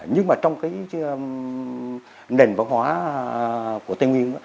nhưng mà trong cái nền văn hóa của tây nguyên